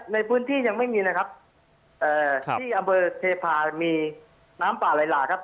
ในพื้นที่ยังไม่มีนะครับเอ่อที่อำเภอเทพามีน้ำป่าไหลหลากครับ